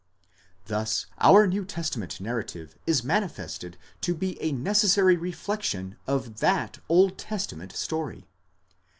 Thus our New Testament narrative is manifested to be a necessary reflection of that Old Testament story.